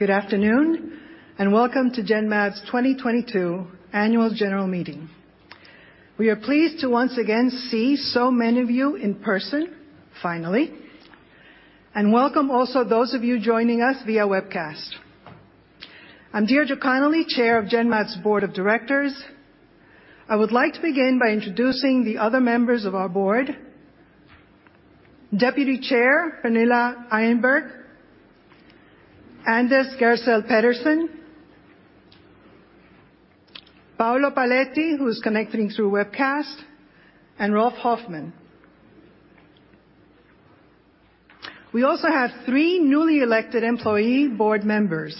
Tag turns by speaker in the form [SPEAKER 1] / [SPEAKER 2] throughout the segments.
[SPEAKER 1] Good afternoon, and welcome to Genmab's 2022 annual general meeting. We are pleased to once again see so many of you in person, finally, and welcome also those of you joining us via webcast. I'm Deirdre Connelly, Chair of Genmab's Board of Directors. I would like to begin by introducing the other members of our board. Deputy Chair, Pernille Erenbjerg, Anders Gersel Pedersen, Paolo Paoletti, who's connecting through webcast, and Rolf Hoffmann. We also have three newly elected employee board members,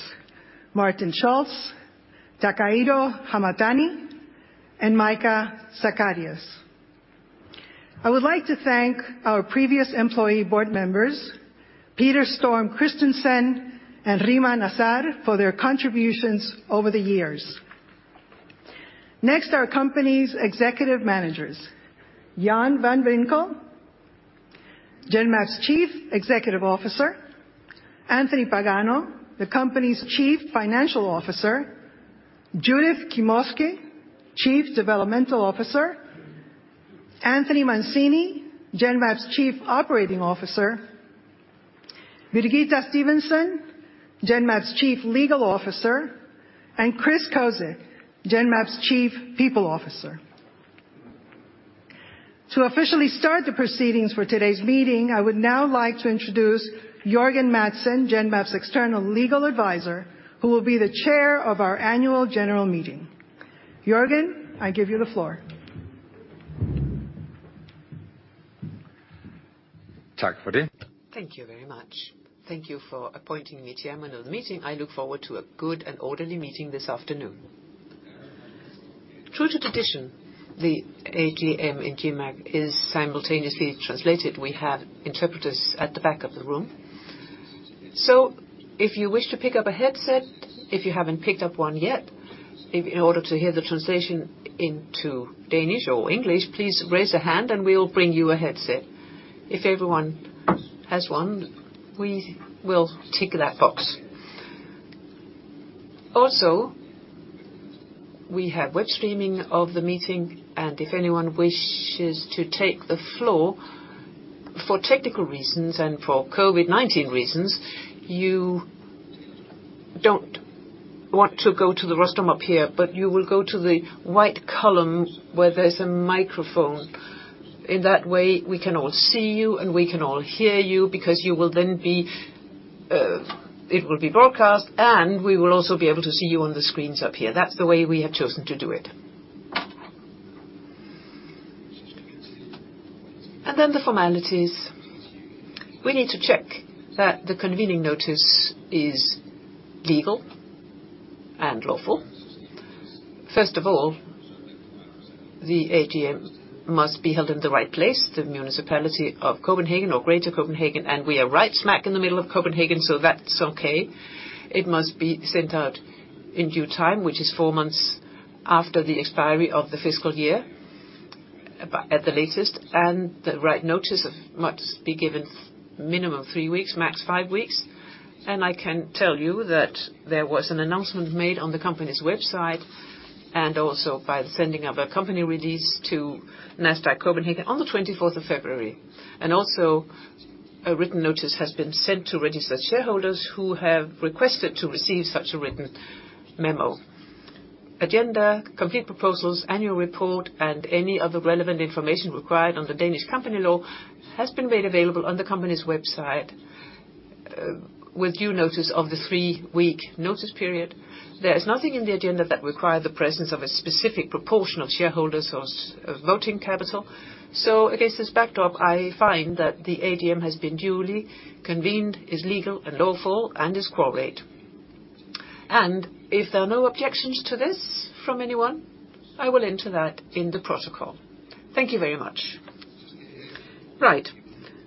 [SPEAKER 1] Martin Schultz, Takahiro Hamatani, and Mijke Zachariasse. I would like to thank our previous employee board members, Peter Storm Kristensen and Rima Nassar, for their contributions over the years. Next, our company's executive managers, Jan van de Winkel, Genmab's Chief Executive Officer, Anthony Pagano, the company's Chief Financial Officer, Judith Klimovsky, Chief Development Officer, Anthony Mancini, Genmab's Chief Operating Officer, Birgitte Stephensen, Genmab's Chief Legal Officer, and Chris Cozic, Genmab's Chief People Officer. To officially start the proceedings for today's meeting, I would now like to introduce Jørgen Madsen, Genmab's external legal advisor, who will be the chair of our annual general meeting. Jørgen, I give you the floor.
[SPEAKER 2] Thank you very much. Thank you for appointing me chairman of the meeting. I look forward to a good and orderly meeting this afternoon. True to tradition, the AGM in Genmab is simultaneously translated. We have interpreters at the back of the room. If you wish to pick up a headset, if you haven't picked up one yet, in order to hear the translation into Danish or English, please raise a hand, and we'll bring you a headset. If everyone has one, we will tick that box. Also, we have web streaming of the meeting, and if anyone wishes to take the floor, for technical reasons and for COVID-19 reasons, you don't want to go to the rostrum up here, but you will go to the white column where there's a microphone. In that way, we can all see you, and we can all hear you because you will then be, it will be broadcast, and we will also be able to see you on the screens up here. That's the way we have chosen to do it. The formalities. We need to check that the convening notice is legal and lawful. First of all, the AGM must be held in the right place, the municipality of Copenhagen or Greater Copenhagen, and we are right smack in the middle of Copenhagen, so that's okay. It must be sent out in due time, which is four months after the expiry of the fiscal year at the latest. The right notice must be given minimum three weeks, max five weeks. I can tell you that there was an announcement made on the company's website and also by the sending of a company release to Nasdaq Copenhagen on the 24th of February. Also, a written notice has been sent to registered shareholders who have requested to receive such a written memo. The agenda, complete proposals, annual report, and any other relevant information required under Danish company law has been made available on the company's website with due notice of the three-week notice period. There is nothing in the agenda that require the presence of a specific proportion of shareholders or share-voting capital. Against this backdrop, I find that the AGM has been duly convened, is legal and lawful, and is quorate. If there are no objections to this from anyone, I will enter that in the protocol. Thank you very much. Right.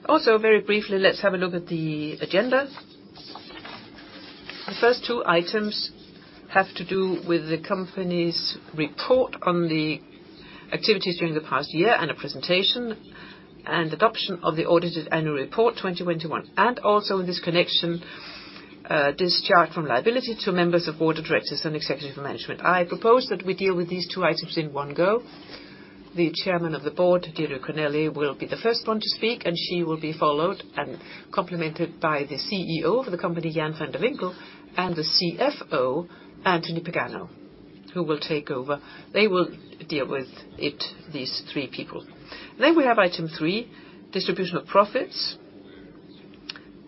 [SPEAKER 2] Also, very briefly, let's have a look at the agenda. The first two items have to do with the company's report on the activities during the past year and a presentation and adoption of the audited annual report 2021. Also in this connection, discharge from liability to members of board of directors and executive management. I propose that we deal with these two items in one go. The Chairman of the Board, Deirdre Connelly, will be the first one to speak, and she will be followed and complemented by the CEO of the company, Jan van de Winkel, and the CFO, Anthony Pagano, who will take over. They will deal with it, these three people. We have item three, distribution of profits.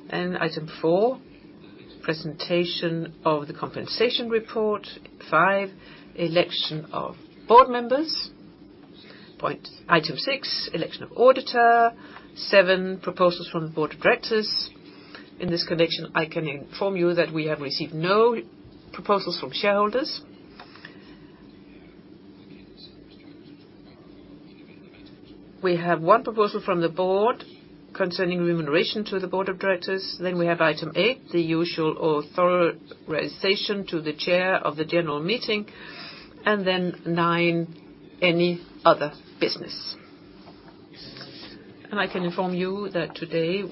[SPEAKER 2] Item four, presentation of the compensation report. Five, election of board members. Item six, election of auditor. Seven, proposals from the board of directors. In this connection, I can inform you that we have received no proposals from shareholders. We have one proposal from the board concerning remuneration to the board of directors. Then we have item eight, the usual authorization to the chair of the general meeting, and then nine, any other business. I can inform you that today,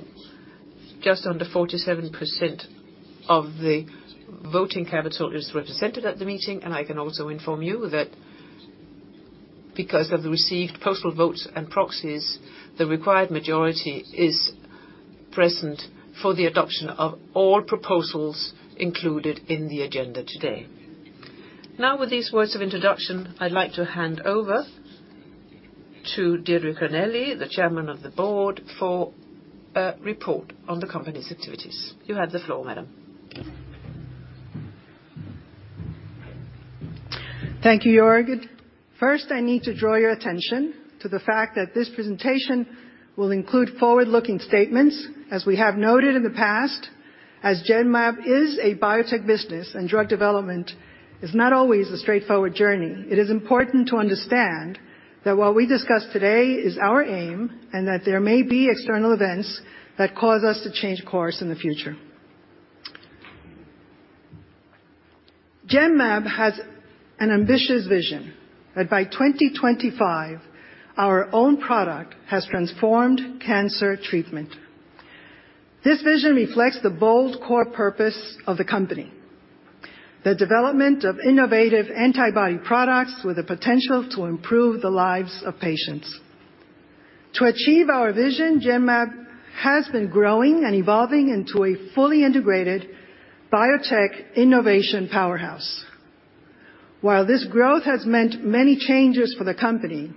[SPEAKER 2] just under 47% of the voting capital is represented at the meeting. I can also inform you that because of the received postal votes and proxies, the required majority is present for the adoption of all proposals included in the agenda today. Now, with these words of introduction, I'd like to hand over to Deirdre Connelly, the Chairman of the Board, for a report on the company's activities. You have the floor, madam.
[SPEAKER 1] Thank you, Jørgen. First, I need to draw your attention to the fact that this presentation will include forward-looking statements as we have noted in the past, as Genmab is a biotech business and drug development is not always a straightforward journey. It is important to understand that what we discuss today is our aim, and that there may be external events that cause us to change course in the future. Genmab has an ambitious vision that by 2025, our own product has transformed cancer treatment. This vision reflects the bold core purpose of the company, the development of innovative antibody products with the potential to improve the lives of patients. To achieve our vision, Genmab has been growing and evolving into a fully integrated biotech innovation powerhouse. While this growth has meant many changes for the company,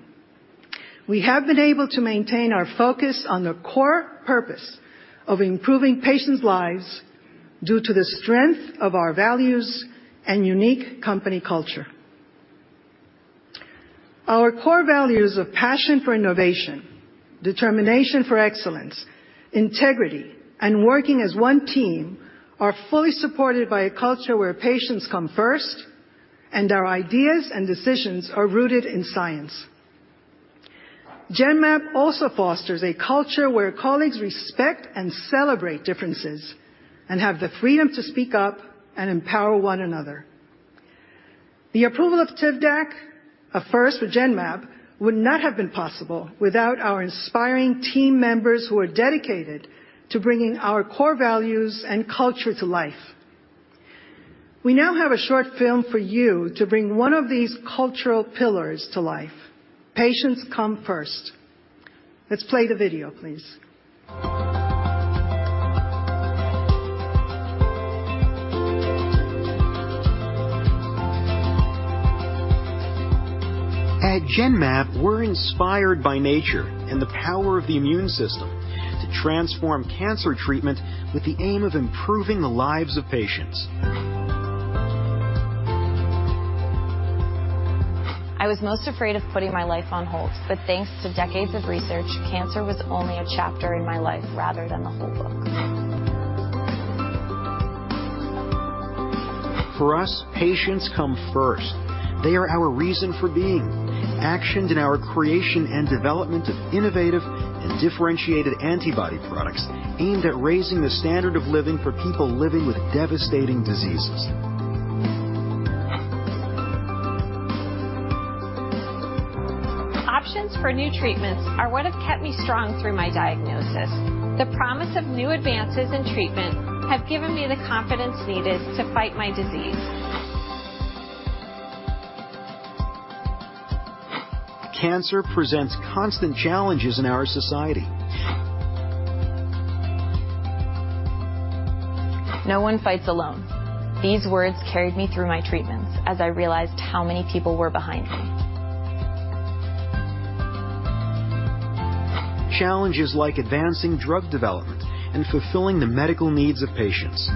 [SPEAKER 1] we have been able to maintain our focus on the core purpose of improving patients' lives due to the strength of our values and unique company culture. Our core values of passion for innovation, determination for excellence, integrity, and working as one team are fully supported by a culture where patients come first and our ideas and decisions are rooted in science. Genmab also fosters a culture where colleagues respect and celebrate differences and have the freedom to speak up and empower one another. The approval of Tivdak, a first for Genmab, would not have been possible without our inspiring team members who are dedicated to bringing our core values and culture to life. We now have a short film for you to bring one of these cultural pillars to life. Patients come first. Let's play the video, please.
[SPEAKER 3] At Genmab, we're inspired by nature and the power of the immune system to transform cancer treatment with the aim of improving the lives of patients. I was most afraid of putting my life on hold, but thanks to decades of research, cancer was only a chapter in my life rather than the whole book. For us, patients come first. They are our reason for being, actualized in our creation and development of innovative and differentiated antibody products aimed at raising the standard of living for people living with devastating diseases. Options for new treatments are what have kept me strong through my diagnosis. The promise of new advances in treatment have given me the confidence needed to fight my disease. Cancer presents constant challenges in our society. No one fights alone. These words carried me through my treatments as I realized how many people were behind me. Challenges like advancing drug development and fulfilling the medical needs of patients.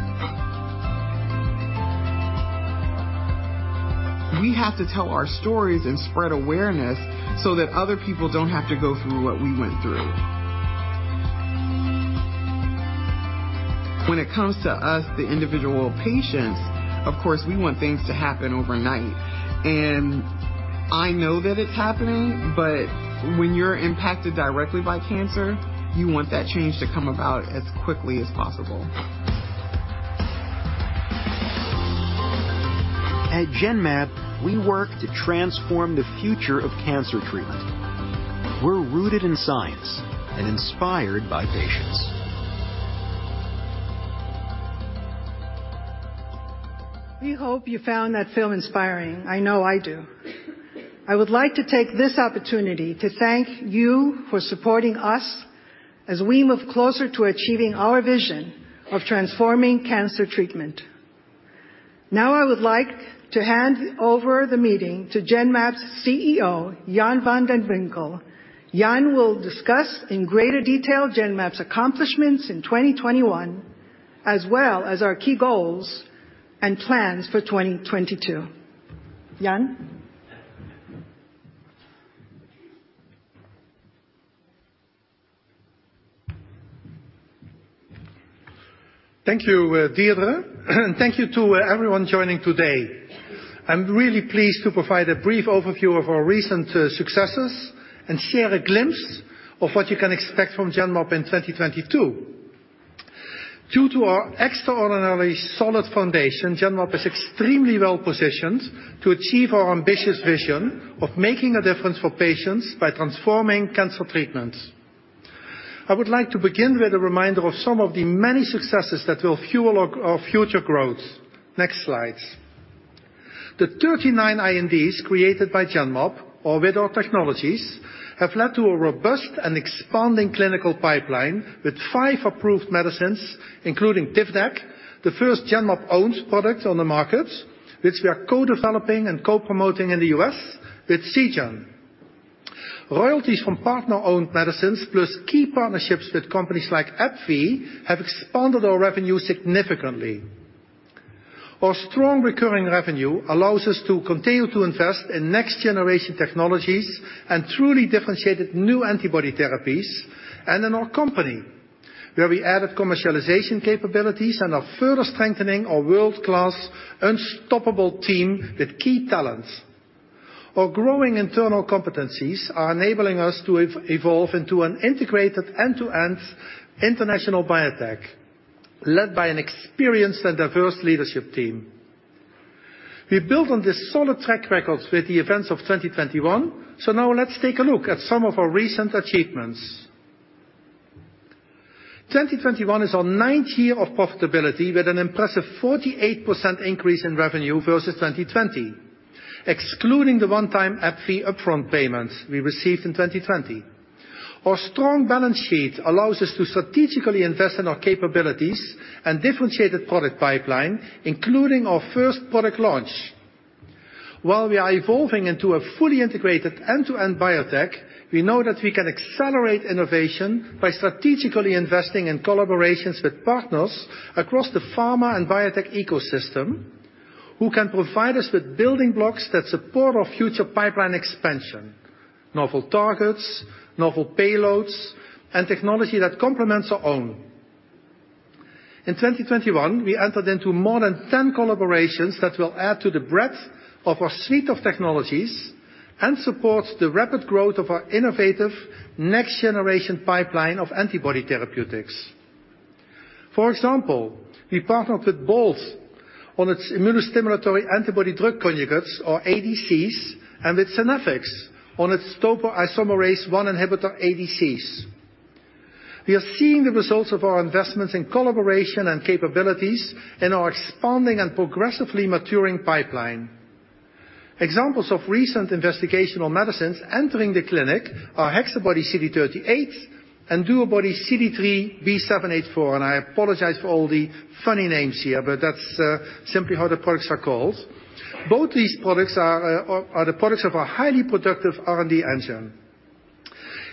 [SPEAKER 3] We have to tell our stories and spread awareness so that other people don't have to go through what we went through. When it comes to us, the individual patients, of course, we want things to happen overnight. I know that it's happening, but when you're impacted directly by cancer, you want that change to come about as quickly as possible. At Genmab, we work to transform the future of cancer treatment. We're rooted in science and inspired by patients.
[SPEAKER 1] We hope you found that film inspiring. I know I do. I would like to take this opportunity to thank you for supporting us as we move closer to achieving our vision of transforming cancer treatment. Now I would like to hand over the meeting to Genmab's CEO, Jan van de Winkel. Jan will discuss in greater detail Genmab's accomplishments in 2021, as well as our key goals and plans for 2022. Jan.
[SPEAKER 4] Thank you, Deirdre, and thank you to everyone joining today. I'm really pleased to provide a brief overview of our recent successes and share a glimpse of what you can expect from Genmab in 2022. Due to our extraordinarily solid foundation, Genmab is extremely well-positioned to achieve our ambitious vision of making a difference for patients by transforming cancer treatments. I would like to begin with a reminder of some of the many successes that will fuel our future growth. Next slide. The 39 INDs created by Genmab or with our technologies have led to a robust and expanding clinical pipeline with five approved medicines, including Tivdak, the first Genmab-owned product on the market, which we are co-developing and co-promoting in the U.S. with Seagen. Royalties from partner-owned medicines, plus key partnerships with companies like AbbVie, have expanded our revenue significantly. Our strong recurring revenue allows us to continue to invest in next-generation technologies and truly differentiated new antibody therapies and in our company, where we added commercialization capabilities and are further strengthening our world-class unstoppable team with key talents. Our growing internal competencies are enabling us to evolve into an integrated end-to-end international biotech, led by an experienced and diverse leadership team. We built on this solid track record with the events of 2021, so now let's take a look at some of our recent achievements. 2021 is our ninth year of profitability with an impressive 48% increase in revenue versus 2020, excluding the one-time AbbVie upfront payments we received in 2020. Our strong balance sheet allows us to strategically invest in our capabilities and differentiated product pipeline, including our first product launch. While we are evolving into a fully integrated end-to-end biotech, we know that we can accelerate innovation by strategically investing in collaborations with partners across the pharma and biotech ecosystem who can provide us with building blocks that support our future pipeline expansion, novel targets, novel payloads, and technology that complements our own. In 2021, we entered into more than 10 collaborations that will add to the breadth of our suite of technologies and support the rapid growth of our innovative next-generation pipeline of antibody therapeutics. For example, we partnered with Bolt on its immunostimulatory antibody-drug conjugates or ADCs and with Synaffix on its topoisomerase-1 inhibitor ADCs. We are seeing the results of our investments in collaboration and capabilities in our expanding and progressively maturing pipeline. Examples of recent investigational medicines entering the clinic are HexaBody-CD38 and DuoBody-CD3xB7-H4, and I apologize for all the funny names here, but that's simply how the products are called. Both these products are the products of our highly productive R&D engine.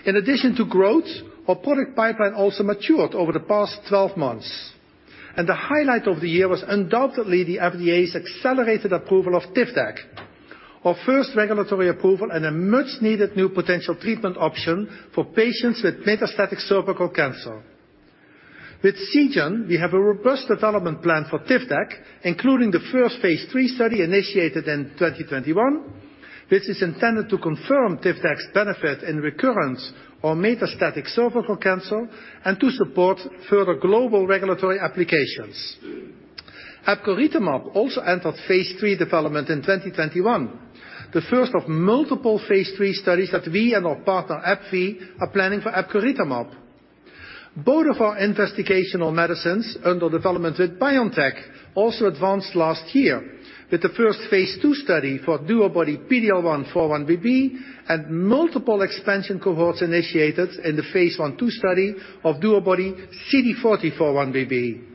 [SPEAKER 4] In addition to growth, our product pipeline also matured over the past 12 months, and the highlight of the year was undoubtedly the FDA's accelerated approval of Tivdak, our first regulatory approval and a much-needed new potential treatment option for patients with metastatic cervical cancer. With Seagen, we have a robust development plan for Tivdak, including the first phase III study initiated in 2021. This is intended to confirm Tivdak's benefit in recurrent or metastatic cervical cancer and to support further global regulatory applications. Epcoritamab also entered phase III development in 2021, the first of multiple phase III studies that we and our partner, AbbVie, are planning for epcoritamab. Both of our investigational medicines under development with BioNTech also advanced last year with the first phase II study for DuoBody-PD-L1x4-1BB and multiple expansion cohorts initiated in the phase I/II study of DuoBody-CD40x4-1BB.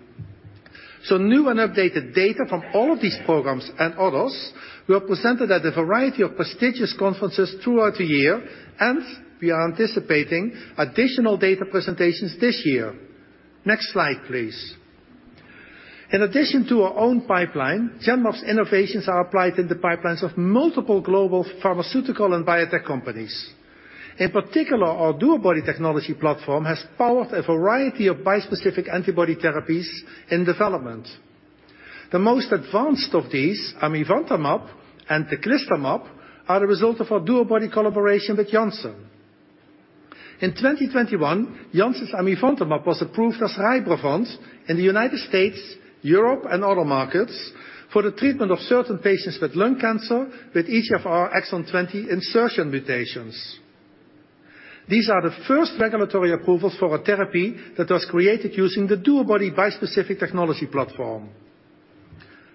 [SPEAKER 4] New and updated data from all of these programs and others were presented at a variety of prestigious conferences throughout the year, and we are anticipating additional data presentations this year. Next slide, please. In addition to our own pipeline, Genmab's innovations are applied in the pipelines of multiple global pharmaceutical and biotech companies. In particular, our DuoBody technology platform has powered a variety of bispecific antibody therapies in development. The most advanced of these, amivantamab and teclistamab, are the result of our DuoBody collaboration with Janssen. In 2021, Janssen's amivantamab was approved as Rybrevant in the United States, Europe, and other markets for the treatment of certain patients with lung cancer with EGFR exon 20 insertion mutations. These are the first regulatory approvals for a therapy that was created using the DuoBody bispecific technology platform.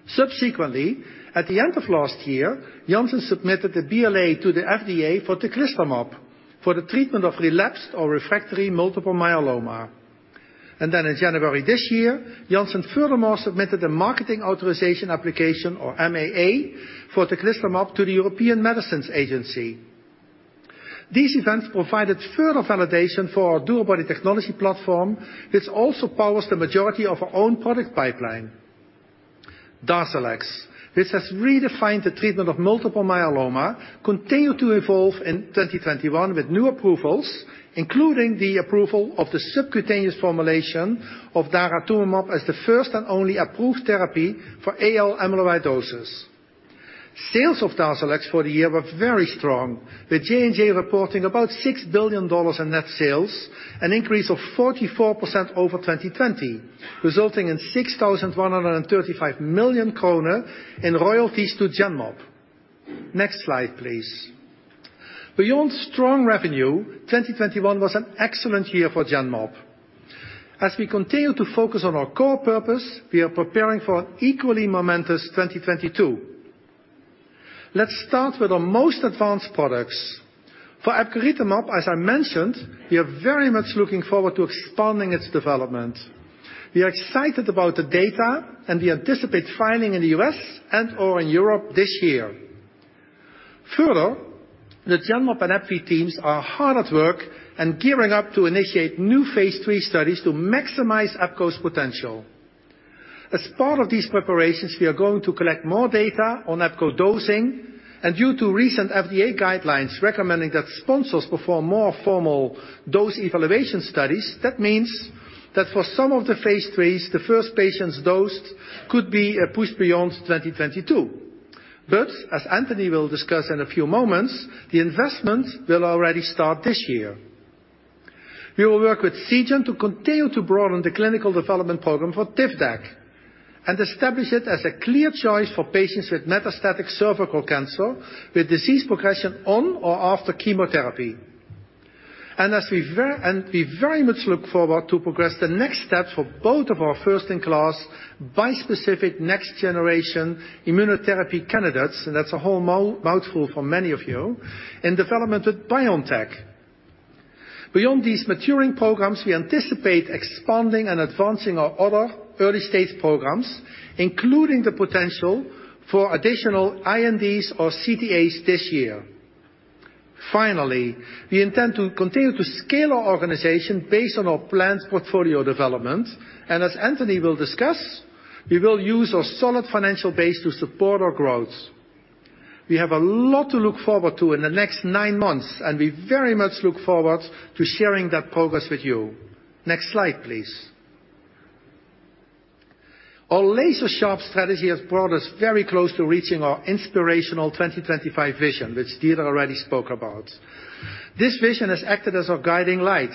[SPEAKER 4] Subsequently, at the end of last year, Janssen submitted a BLA to the FDA for teclistamab for the treatment of relapsed or refractory multiple myeloma. In January this year, Janssen furthermore submitted a marketing authorization application or MAA for teclistamab to the European Medicines Agency. These events provided further validation for our DuoBody technology platform, which also powers the majority of our own product pipeline. Darzalex, which has redefined the treatment of multiple myeloma, continued to evolve in 2021 with new approvals, including the approval of the subcutaneous formulation of daratumumab as the first and only approved therapy for AL amyloidosis. Sales of Darzalex for the year were very strong, with J&J reporting about $6 billion in net sales, an increase of 44% over 2020, resulting in 6,135 million kroner in royalties to Genmab. Next slide, please. Beyond strong revenue, 2021 was an excellent year for Genmab. As we continue to focus on our core purpose, we are preparing for an equally momentous 2022. Let's start with our most advanced products. For epcoritamab, as I mentioned, we are very much looking forward to expanding its development. We are excited about the data, and we anticipate filing in the U.S. and/or in Europe this year. Further, the Genmab and AbbVie teams are hard at work and gearing up to initiate new phase III studies to maximize epco's potential. As part of these preparations, we are going to collect more data on epco dosing, and due to recent FDA guidelines recommending that sponsors perform more formal dose evaluation studies, that means that for some of the phase IIIs, the first patients dosed could be pushed beyond 2022. As Anthony will discuss in a few moments, the investment will already start this year. We will work with Seagen to continue to broaden the clinical development program for Tivdak and establish it as a clear choice for patients with metastatic cervical cancer, with disease progression on or after chemotherapy. We very much look forward to progressing the next steps for both of our first-in-class bispecific next generation immunotherapy candidates, and that's a whole mouthful for many of you, in development with BioNTech. Beyond these maturing programs, we anticipate expanding and advancing our other early-stage programs, including the potential for additional INDs or CTAs this year. Finally, we intend to continue to scale our organization based on our planned portfolio development, and as Anthony will discuss, we will use our solid financial base to support our growth. We have a lot to look forward to in the next nine months, and we very much look forward to sharing that progress with you. Next slide, please. Our laser sharp strategy has brought us very close to reaching our inspirational 2025 vision, which Deirdre already spoke about. This vision has acted as our guiding light,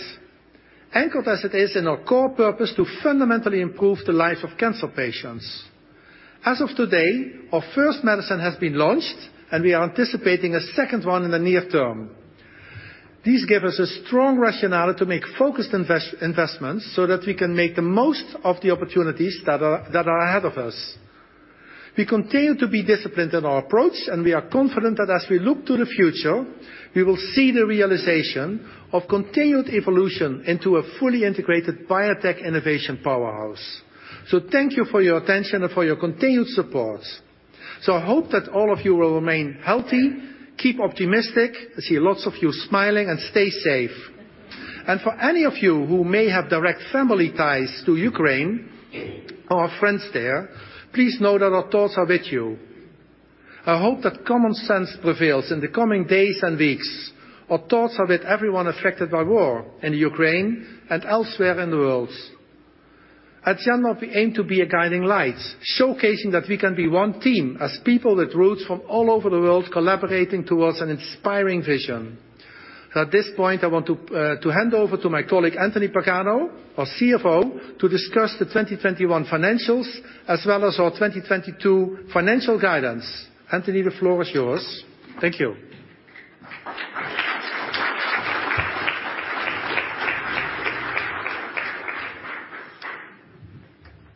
[SPEAKER 4] anchored as it is in our core purpose to fundamentally improve the lives of cancer patients. As of today, our first medicine has been launched, and we are anticipating a second one in the near term. These give us a strong rationale to make focused investments so that we can make the most of the opportunities that are ahead of us. We continue to be disciplined in our approach, and we are confident that as we look to the future, we will see the realization of continued evolution into a fully integrated biotech innovation powerhouse. Thank you for your attention and for your continued support. I hope that all of you will remain healthy, keep optimistic. I see lots of you smiling, and stay safe. For any of you who may have direct family ties to Ukraine or have friends there, please know that our thoughts are with you. I hope that common sense prevails in the coming days and weeks. Our thoughts are with everyone affected by war in Ukraine and elsewhere in the world. At Genmab, we aim to be a guiding light, showcasing that we can be one team as people with roots from all over the world collaborating towards an inspiring vision. At this point, I want to hand over to my colleague, Anthony Pagano, our CFO, to discuss the 2021 financials as well as our 2022 financial guidance. Anthony, the floor is yours. Thank you.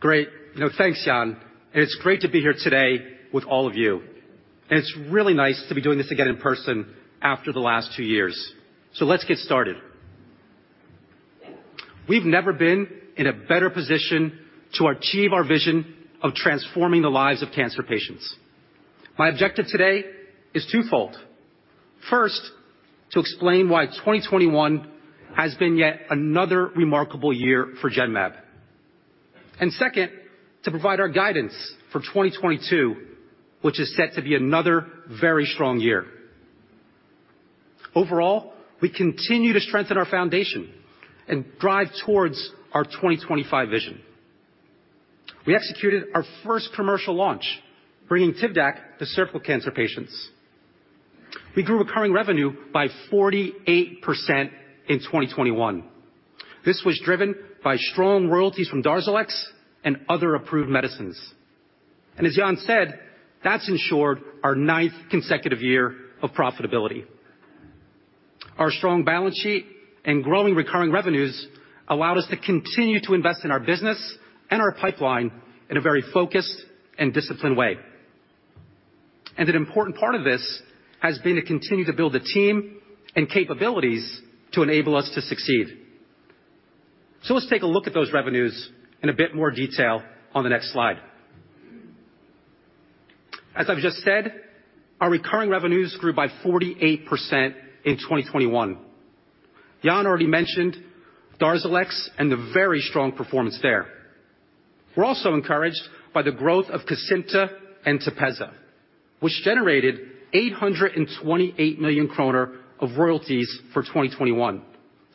[SPEAKER 5] Great. You know, thanks, Jan, and it's great to be here today with all of you, and it's really nice to be doing this again in person after the last two years. Let's get started. We've never been in a better position to achieve our vision of transforming the lives of cancer patients. My objective today is twofold. First, to explain why 2021 has been yet another remarkable year for Genmab. Second, to provide our guidance for 2022, which is set to be another very strong year. Overall, we continue to strengthen our foundation and drive towards our 2025 vision. We executed our first commercial launch, bringing Tivdak to cervical cancer patients. We grew recurring revenue by 48% in 2021. This was driven by strong royalties from Darzalex and other approved medicines. As Jan said, that's ensured our ninth consecutive year of profitability. Our strong balance sheet and growing recurring revenues allowed us to continue to invest in our business and our pipeline in a very focused and disciplined way. An important part of this has been to continue to build the team and capabilities to enable us to succeed. Let's take a look at those revenues in a bit more detail on the next slide. As I've just said, our recurring revenues grew by 48% in 2021. Jan already mentioned Darzalex and the very strong performance there. We're also encouraged by the growth of Kesimpta and Tepezza, which generated 828 million kroner of royalties for 2021.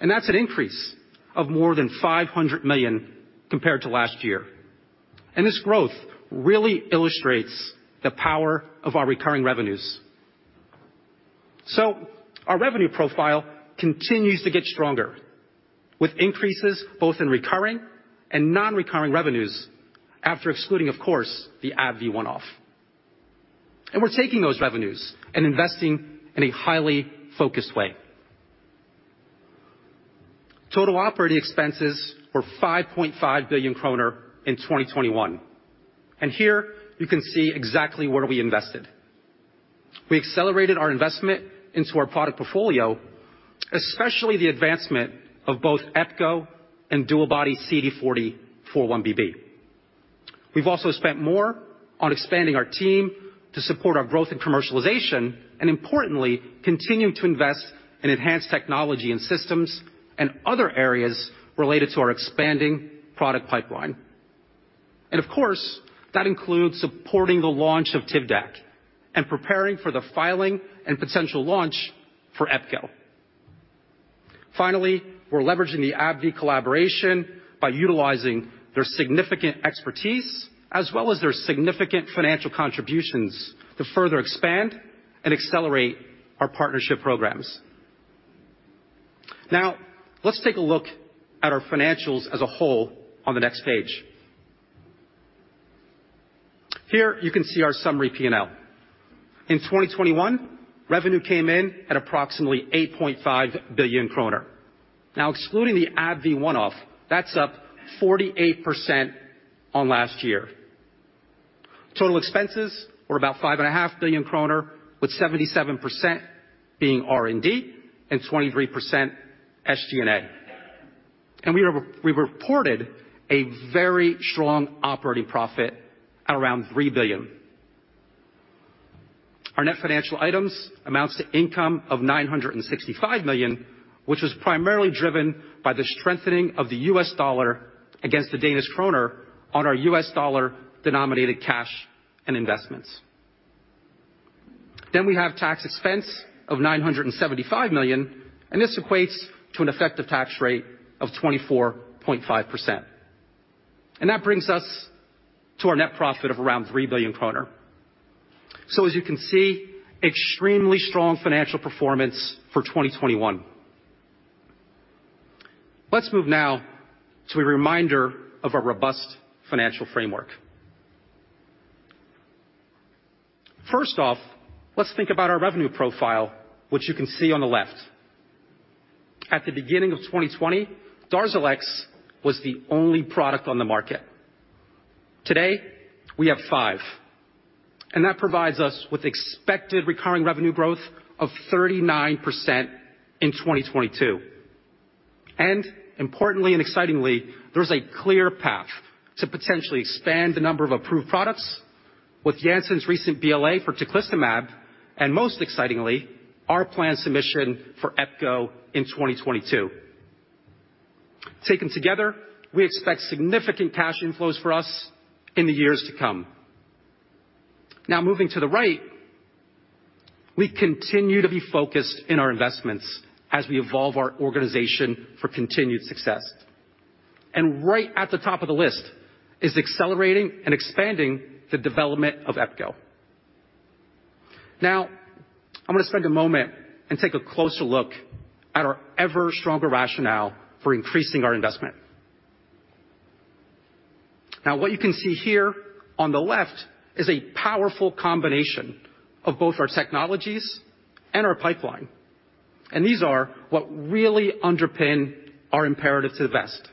[SPEAKER 5] That's an increase of more than 500 million compared to last year. This growth really illustrates the power of our recurring revenues. Our revenue profile continues to get stronger with increases both in recurring and non-recurring revenues after excluding, of course, the AbbVie one-off. We're taking those revenues and investing in a highly focused way. Total operating expenses were 5.5 billion kroner in 2021. Here you can see exactly where we invested. We accelerated our investment into our product portfolio, especially the advancement of both Epco and DuoBody-CD40x4-1BB. We've also spent more on expanding our team to support our growth and commercialization, and importantly, continuing to invest in enhanced technology and systems and other areas related to our expanding product pipeline. Of course, that includes supporting the launch of Tivdak and preparing for the filing and potential launch for Epco. Finally, we're leveraging the AbbVie collaboration by utilizing their significant expertise as well as their significant financial contributions to further expand and accelerate our partnership programs. Now, let's take a look at our financials as a whole on the next page. Here you can see our summary P&L. In 2021, revenue came in at approximately 8.5 billion kroner. Now, excluding the AbbVie one-off, that's up 48% on last year. Total expenses were about 5.5 billion kroner, with 77% being R&D and 23% SG&A. We reported a very strong operating profit at around 3 billion. Our net financial items amounts to income of 965 million, which was primarily driven by the strengthening of the US dollar against the Danish kroner on our US dollar-denominated cash and investments. We have tax expense of 975 million, and this equates to an effective tax rate of 24.5%. That brings us to our net profit of around 3 billion kroner. As you can see, extremely strong financial performance for 2021. Let's move now to a reminder of our robust financial framework. First off, let's think about our revenue profile, which you can see on the left. At the beginning of 2020, Darzalex was the only product on the market. Today, we have five, and that provides us with expected recurring revenue growth of 39% in 2022. Importantly and excitingly, there's a clear path to potentially expand the number of approved products with Janssen's recent BLA for teclistamab, and most excitingly, our planned submission for epcoritamab in 2022. Taken together, we expect significant cash inflows for us in the years to come. Now moving to the right, we continue to be focused in our investments as we evolve our organization for continued success. Right at the top of the list is accelerating and expanding the development of Epcoritamab. Now, I'm going to spend a moment and take a closer look at our ever-stronger rationale for increasing our investment. Now, what you can see here on the left is a powerful combination of both our technologies and our pipeline. These are what really underpin our imperative to invest.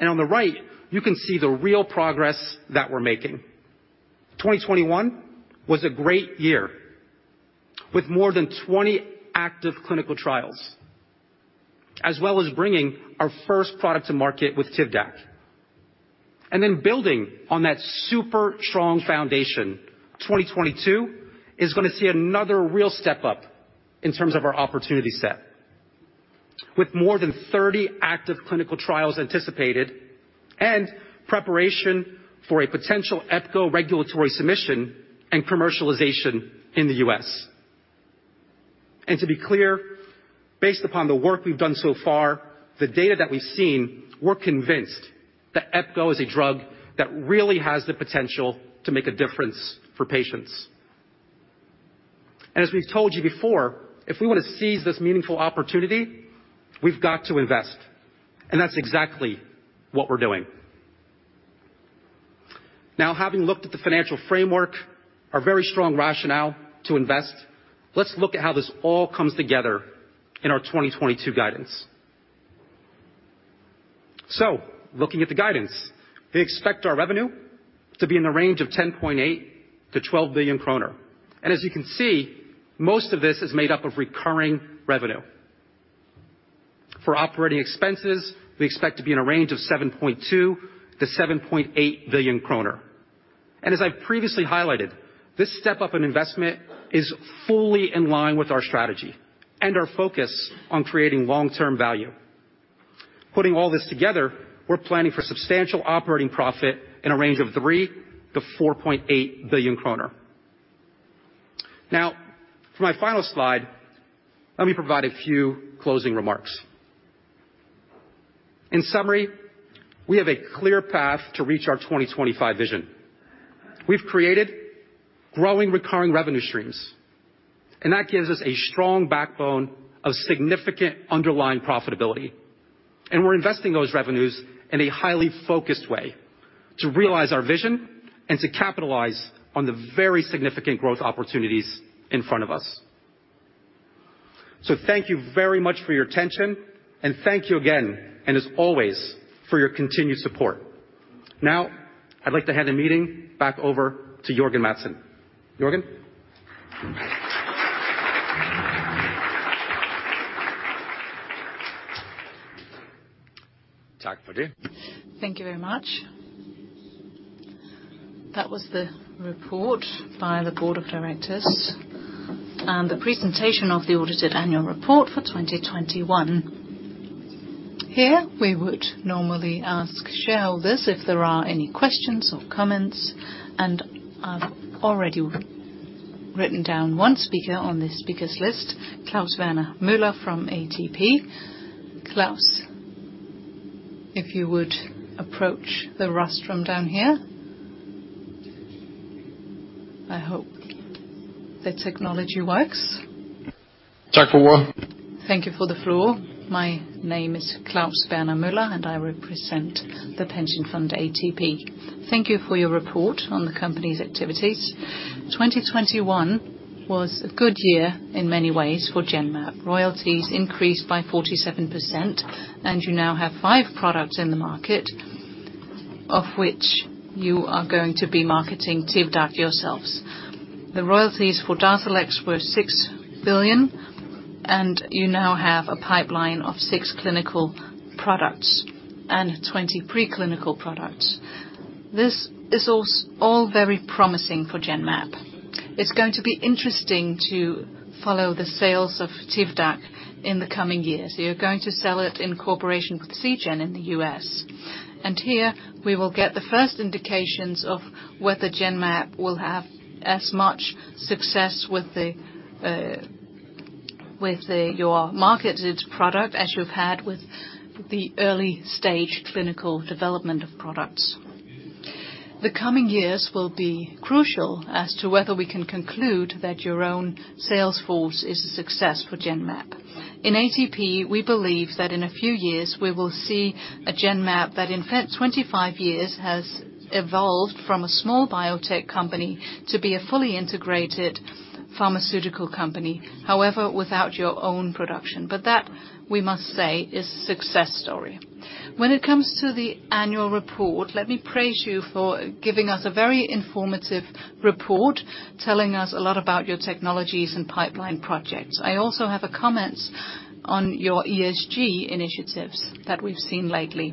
[SPEAKER 5] On the right, you can see the real progress that we're making. 2021 was a great year with more than 20 active clinical trials, as well as bringing our first product to market with Tivdak. Building on that super strong foundation, 2022 is gonna see another real step up in terms of our opportunity set with more than 30 active clinical trials anticipated and preparation for a potential Epco regulatory submission and commercialization in the U.S. To be clear, based upon the work we've done so far, the data that we've seen, we're convinced that Epco is a drug that really has the potential to make a difference for patients. As we've told you before, if we want to seize this meaningful opportunity, we've got to invest, and that's exactly what we're doing. Now, having looked at the financial framework, our very strong rationale to invest, let's look at how this all comes together in our 2022 guidance. Looking at the guidance, we expect our revenue to be in the range of 10.8 billion-12 billion kroner. As you can see, most of this is made up of recurring revenue. For operating expenses, we expect to be in a range of 7.2 billion-7.8 billion kroner. As I previously highlighted, this step up in investment is fully in line with our strategy and our focus on creating long-term value. Putting all this together, we're planning for substantial operating profit in a range of 3 billion-4.8 billion kroner. Now for my final slide, let me provide a few closing remarks. In summary, we have a clear path to reach our 2025 vision. We've created growing recurring revenue streams, and that gives us a strong backbone of significant underlying profitability. We're investing those revenues in a highly focused way to realize our vision and to capitalize on the very significant growth opportunities in front of us. Thank you very much for your attention, and thank you again, and as always, for your continued support. Now I'd like to hand the meeting back over to Jørgen Madsen. Jørgen?
[SPEAKER 2] Thank you very much. That was the report by the board of directors and the presentation of the audited annual report for 2021. Here, we would normally ask shareholders if there are any questions or comments, and I've already written down one speaker on the speakers list, Klaus Werner Müller from ATP. Klaus, if you would approach the rostrum down here. I hope the technology works. Thank you for the floor. My name is Klaus Werner Müller, and I represent the pension fund ATP. Thank you for your report on the company's activities. 2021 was a good year in many ways for Genmab. Royalties increased by 47%, and you now have five products in the market, of which you are going to be marketing Tivdak yourselves.
[SPEAKER 6] The royalties for Darzalex were 6 billion, and you now have a pipeline of six clinical products and 20 pre-clinical products. This is all very promising for Genmab. It's going to be interesting to follow the sales of Tivdak in the coming years. You're going to sell it in cooperation with Seagen in the U.S. Here, we will get the first indications of whether Genmab will have as much success with your marketed product as you've had with the early-stage clinical development of products. The coming years will be crucial as to whether we can conclude that your own sales force is a success for Genmab. In ATP, we believe that in a few years we will see a Genmab that in 25 years has evolved from a small biotech company to be a fully integrated pharmaceutical company, without your own production. That, we must say, is success story. When it comes to the annual report, let me praise you for giving us a very informative report, telling us a lot about your technologies and pipeline projects. I also have a comment on your ESG initiatives that we've seen lately.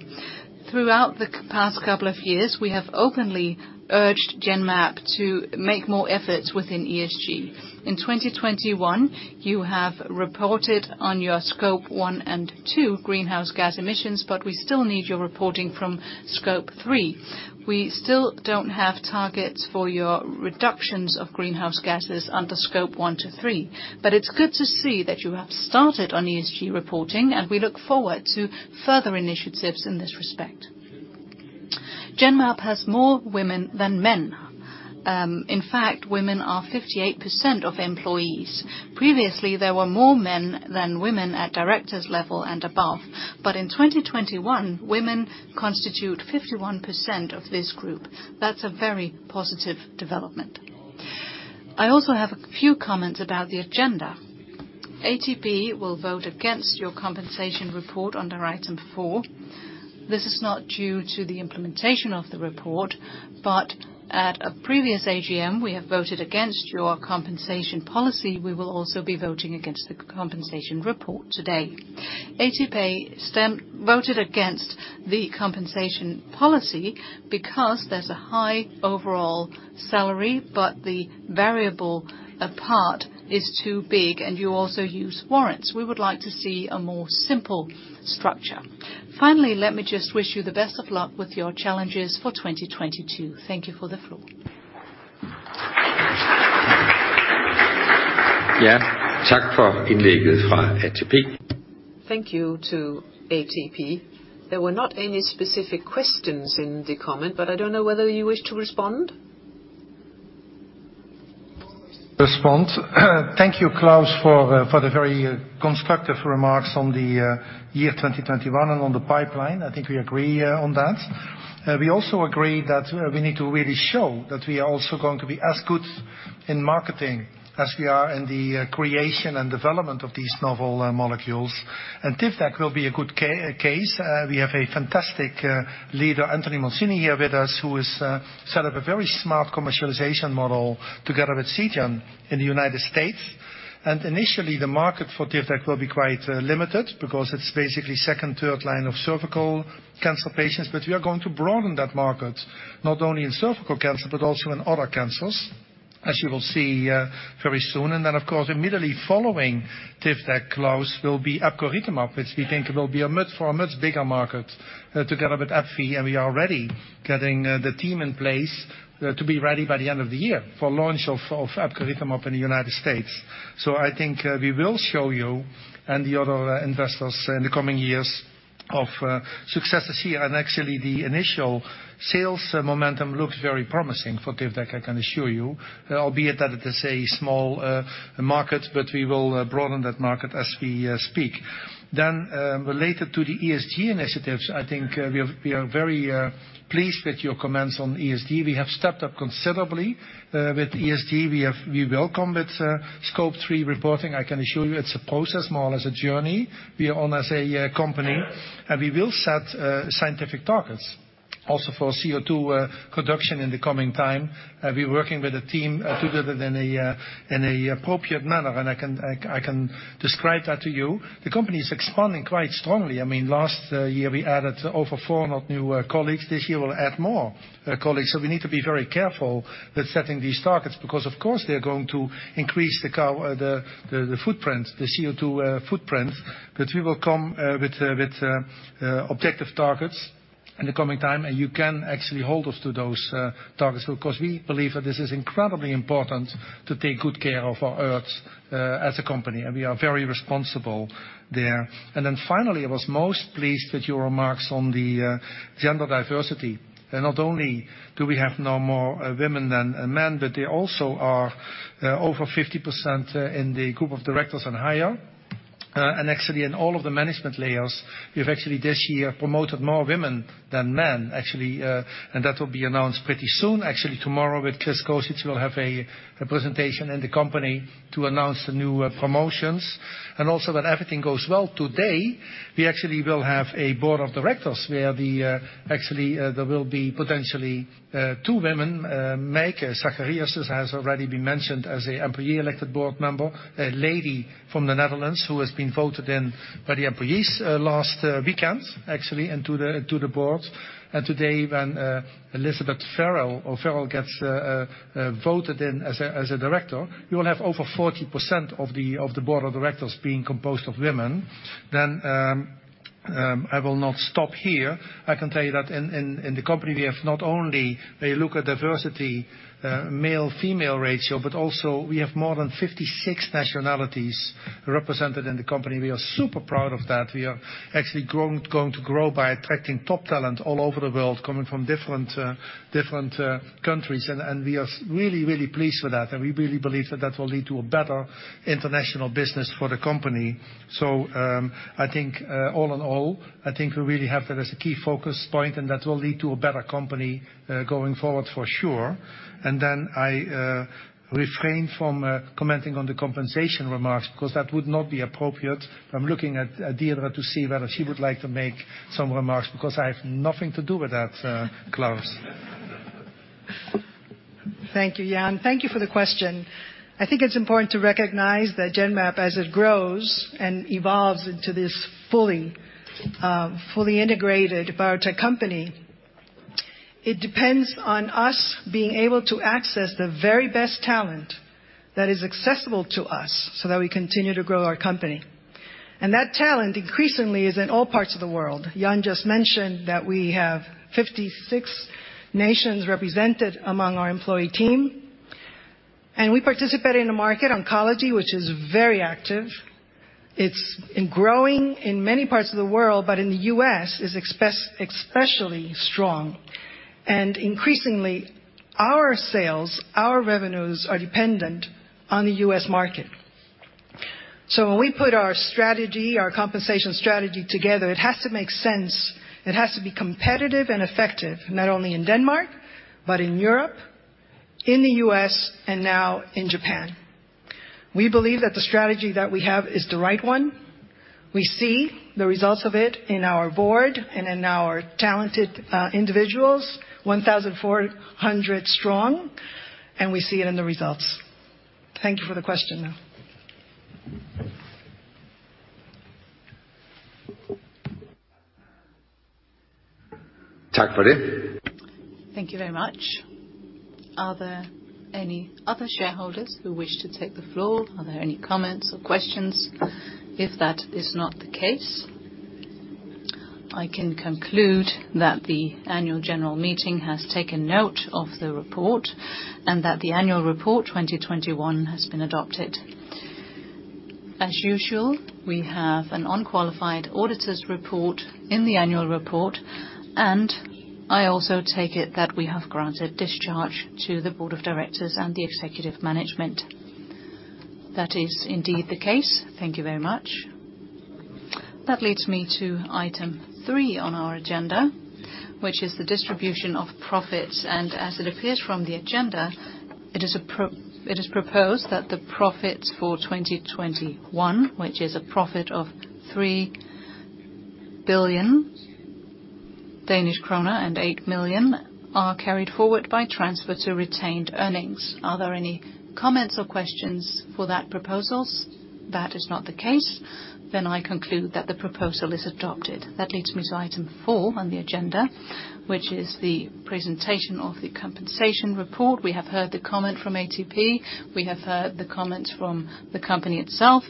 [SPEAKER 6] Throughout the past couple of years, we have openly urged Genmab to make more efforts within ESG. In 2021, you have reported on your Scope 1 and 2 greenhouse gas emissions, but we still need your reporting from Scope three. We still don't have targets for your reductions of greenhouse gases under Scope 1 to 3. It's good to see that you have started on ESG reporting, and we look forward to further initiatives in this respect. Genmab has more women than men. In fact, women are 58% of employees. Previously, there were more men than women at directors level and above. In 2021, women constitute 51% of this group. That's a very positive development. I also have a few comments about the agenda. ATP will vote against your compensation report under item four. This is not due to the implementation of the report, but at a previous AGM, we have voted against your compensation policy. We will also be voting against the compensation report today. ATP voted against the compensation policy because there's a high overall salary, but the variable part is too big, and you also use warrants. We would like to see a more simple structure. Finally, let me just wish you the best of luck with your challenges for 2022. Thank you for the floor. Thank you to ATP. There were not any specific questions in the comment, but I don't know whether you wish to respond?
[SPEAKER 4] Thank you, Klaus, for the very constructive remarks on the year 2021 and on the pipeline. I think we agree on that. We also agree that we need to really show that we are also going to be as good in marketing as we are in the creation and development of these novel molecules, and Tivdak will be a good case. We have a fantastic leader, Anthony Mancini, here with us, who has set up a very smart commercialization model together with Seagen in the United States. Initially, the market for Tivdak will be quite limited because it's basically second- and third-line cervical cancer patients, but we are going to broaden that market, not only in cervical cancer but also in other cancers. As you will see very soon. Of course, immediately following Tivdak close will be Epcoritamab, which we think will be for a much bigger market together with AbbVie. We are already getting the team in place to be ready by the end of the year for launch of Epcoritamab in the United States. I think we will show you and the other investors in the coming years of successes here. Actually the initial sales momentum looks very promising for Tivdak, I can assure you. Albeit that it is a small market, but we will broaden that market as we speak. Related to the ESG initiatives, I think we are very pleased with your comments on ESG. We have stepped up considerably with ESG. We welcome with Scope 3 reporting. I can assure you it's a process more than a journey we own as a company. We will set scientific targets also for CO2 production in the coming time. We're working with a team to do that in an appropriate manner. I can describe that to you. The company is expanding quite strongly. I mean, last year we added over 400 new colleagues. This year we'll add more colleagues. We need to be very careful with setting these targets because of course they're going to increase the footprint, the CO2 footprint. We will come with objective targets in the coming time, and you can actually hold us to those targets, because we believe that this is incredibly important to take good care of our earth as a company, and we are very responsible there. Finally, I was most pleased with your remarks on the gender diversity. Not only do we have now more women than men, but they also are over 50% in the group of directors and higher. Actually in all of the management layers, we've actually this year promoted more women than men, actually. That will be announced pretty soon. Actually tomorrow with Chris Cozic will have a presentation in the company to announce the new promotions. Also when everything goes well today, we actually will have a board of directors where actually there will be potentially two women. Mijke Zachariasse has already been mentioned as a employee-elected board member. A lady from the Netherlands who has been voted in by the employees last weekend actually into the board. Today when Elizabeth O'Farrell gets voted in as a director, we will have over 40% of the board of directors being composed of women. I will not stop here. I can tell you that in the company, we have not only when you look at diversity, male-female ratio, but also we have more than 56 nationalities represented in the company. We are super proud of that. We are actually going to grow by attracting top talent all over the world, coming from different countries. We are really pleased with that. We really believe that will lead to a better international business for the company. I think all in all, we really have that as a key focus point, and that will lead to a better company going forward for sure. I refrain from commenting on the compensation remarks cause that would not be appropriate. I'm looking at Deirdre to see whether she would like to make some remarks because I have nothing to do with that, Klaus.
[SPEAKER 1] Thank you, Jan. Thank you for the question. I think it's important to recognize that Genmab, as it grows and evolves into this fully fully integrated biotech company, it depends on us being able to access the very best talent that is accessible to us so that we continue to grow our company. That talent increasingly is in all parts of the world. Jan just mentioned that we have 56 nations represented among our employee team, and we participate in a market, oncology, which is very active. It's growing in many parts of the world, but in the U.S. it's especially strong. Increasingly our sales, our revenues are dependent on the U.S. market. When we put our strategy, our compensation strategy together, it has to make sense. It has to be competitive and effective, not only in Denmark, but in Europe, in the U.S., and now in Japan. We believe that the strategy that we have is the right one. We see the results of it in our board and in our talented, individuals, 1,400 strong, and we see it in the results. Thank you for the question, though.
[SPEAKER 2] Thank you very much. Are there any other shareholders who wish to take the floor? Are there any comments or questions? If that is not the case, I can conclude that the annual general meeting has taken note of the report and that the annual report 2021 has been adopted. As usual, we have an unqualified auditor's report in the annual report, and I also take it that we have granted discharge to the board of directors and the executive management. That is indeed the case. Thank you very much. That leads me to item three on our agenda, which is the distribution of profits. As it appears from the agenda, it is proposed that the profits for 2021, which is a profit of 3.008 billion Danish krone, are carried forward by transfer to retained earnings. Are there any comments or questions for that proposal? That is not the case, then I conclude that the proposal is adopted. That leads me to item four on the agenda, which is the presentation of the compensation report. We have heard the comment from ATP. We have heard the comments from the company itself.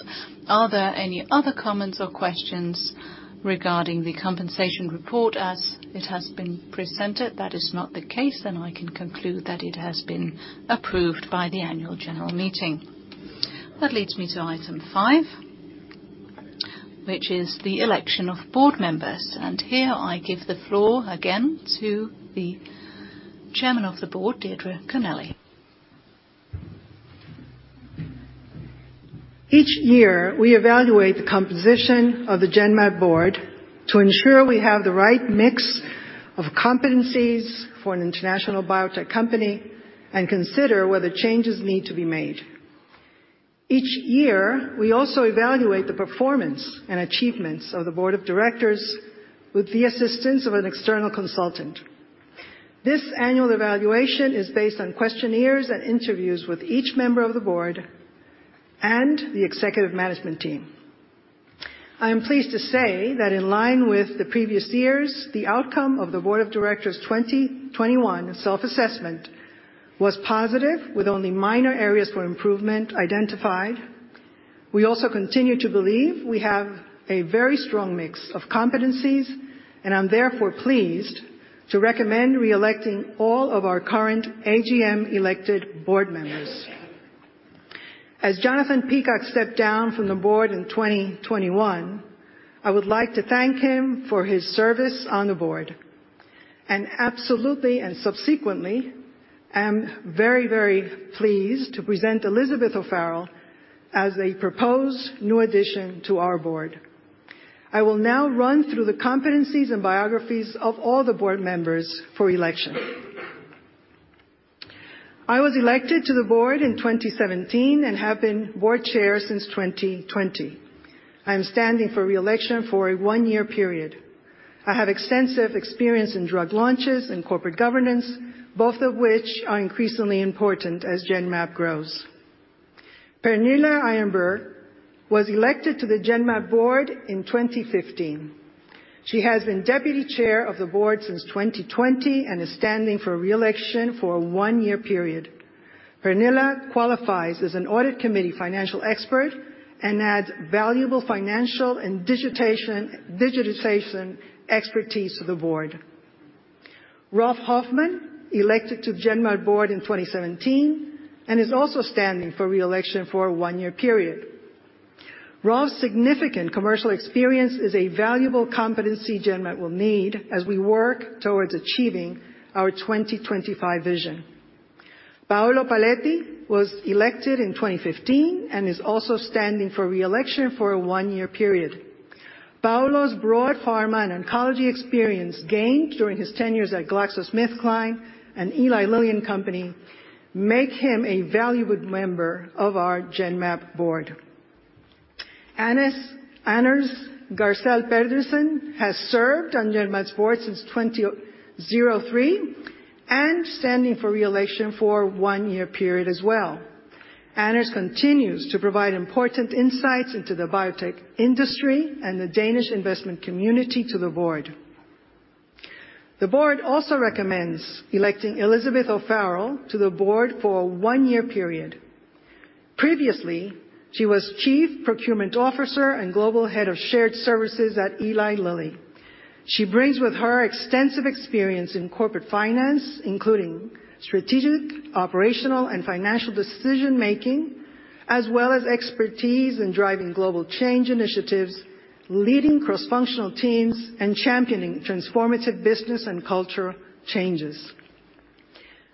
[SPEAKER 2] Are there any other comments or questions regarding the compensation report as it has been presented? That is not the case, then I can conclude that it has been approved by the annual general meeting. That leads me to item five, which is the election of board members, and here I give the floor again to the Chair of the Board, Deirdre Connelly.
[SPEAKER 1] Each year, we evaluate the composition of the Genmab board to ensure we have the right mix of competencies for an international biotech company and consider whether changes need to be made. Each year, we also evaluate the performance and achievements of the board of directors with the assistance of an external consultant. This annual evaluation is based on questionnaires and interviews with each member of the board and the executive management team. I am pleased to say that in line with the previous years, the outcome of the board of directors' 2021 self-assessment was positive with only minor areas for improvement identified. We also continue to believe we have a very strong mix of competencies, and I'm therefore pleased to recommend re-electing all of our current AGM-elected board members. As Jonathan Peacock stepped down from the board in 2021, I would like to thank him for his service on the board and absolutely, and subsequently am very, very pleased to present Elizabeth O'Farrell as a proposed new addition to our board. I will now run through the competencies and biographies of all the board members for election. I was elected to the board in 2017 and have been board chair since 2020. I'm standing for re-election for a one-year period. I have extensive experience in drug launches and corporate governance, both of which are increasingly important as Genmab grows. Pernille Erenbjerg was elected to the Genmab board in 2015. She has been deputy chair of the board since 2020 and is standing for re-election for a one-year period. Pernille qualifies as an audit committee financial expert and adds valuable financial and digitization expertise to the board. Rolf Hoffmann, elected to Genmab board in 2017 and is also standing for re-election for a one-year period. Rolf's significant commercial experience is a valuable competency Genmab will need as we work towards achieving our 2025 vision. Paolo Paoletti was elected in 2015 and is also standing for re-election for a one-year period. Paolo's broad pharma and oncology experience gained during his tenures at GlaxoSmithKline and Eli Lilly and Company make him a valued member of our Genmab board. Anders Gersel Pedersen has served on Genmab's board since 2003 and standing for re-election for a one-year period as well. Anders continues to provide important insights into the biotech industry and the Danish investment community to the board. The board also recommends electing Elizabeth O'Farrell to the board for a one-year period. Previously, she was chief procurement officer and global head of shared services at Eli Lilly. She brings with her extensive experience in corporate finance, including strategic, operational, and financial decision-making, as well as expertise in driving global change initiatives, leading cross-functional teams, and championing transformative business and culture changes.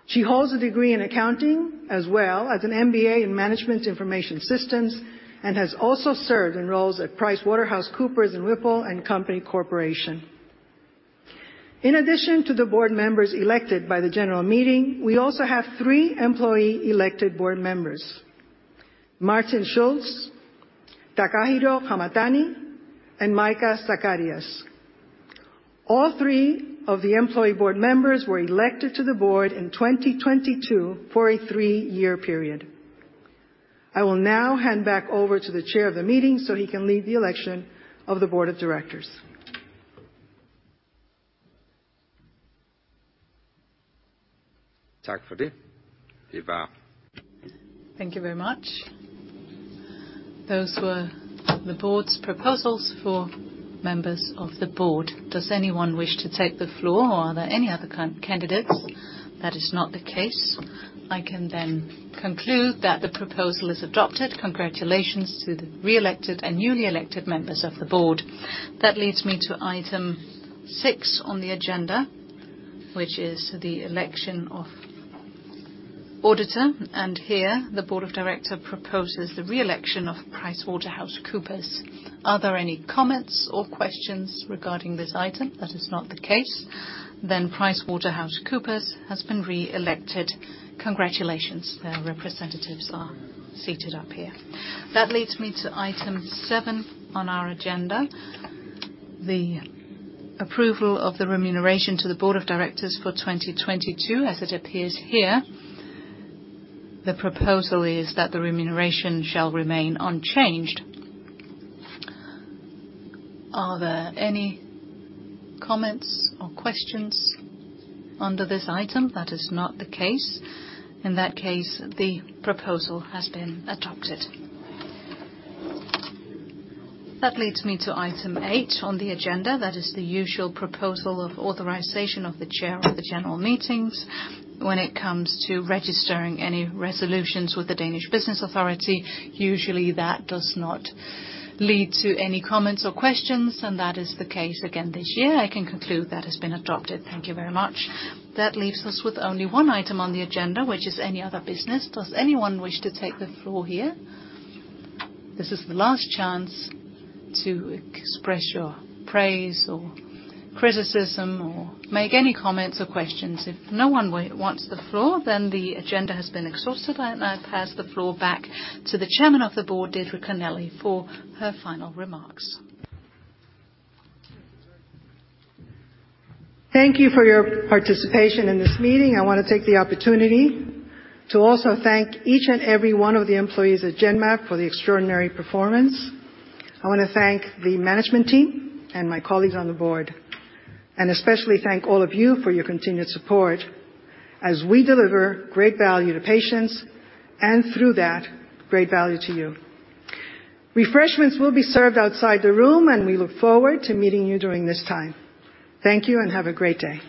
[SPEAKER 1] She holds a degree in accounting as well as an MBA in management information systems and has also served in roles at PricewaterhouseCoopers and Whipple & Company Corporation. In addition to the board members elected by the general meeting, we also have three employee-elected board members, Martin Schultz, Takahiro Hamatani, and Mijke Zachariasse. All three of the employee board members were elected to the board in 2022 for a three-year period. I will now hand back over to the Chair of the meeting so he can lead the election of the Board of Directors.
[SPEAKER 2] Thank you very much. Those were the board's proposals for members of the board. Does anyone wish to take the floor, or are there any other candidates? That is not the case. I can then conclude that the proposal is adopted. Congratulations to the re-elected and newly elected members of the board. That leads me to item six on the agenda, which is the election of auditor, and here the board of directors proposes the re-election of PricewaterhouseCoopers. Are there any comments or questions regarding this item? That is not the case, then PricewaterhouseCoopers has been re-elected. Congratulations. Their representatives are seated up here. That leads me to item seven on our agenda, the approval of the remuneration to the board of directors for 2022, as it appears here. The proposal is that the remuneration shall remain unchanged. Are there any comments or questions under this item? That is not the case. In that case, the proposal has been adopted. That leads me to item eight on the agenda. That is the usual proposal of authorization of the chair of the general meetings when it comes to registering any resolutions with the Danish Business Authority. Usually, that does not lead to any comments or questions, and that is the case again this year. I can conclude that has been adopted. Thank you very much. That leaves us with only one item on the agenda, which is any other business. Does anyone wish to take the floor here? This is the last chance to express your praise or criticism or make any comments or questions. If no one wants the floor, then the agenda has been exhausted. I now pass the floor back to the Chairman of the Board, Deirdre Connelly, for her final remarks.
[SPEAKER 1] Thank you for your participation in this meeting. I wanna take the opportunity to also thank each and every one of the employees at Genmab for the extraordinary performance. I wanna thank the management team and my colleagues on the board, and especially thank all of you for your continued support as we deliver great value to patients and, through that, great value to you. Refreshments will be served outside the room, and we look forward to meeting you during this time. Thank you and have a great day.